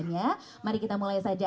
jadi kita kenal